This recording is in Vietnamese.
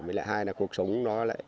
mới lại hai là cuộc sống nó lại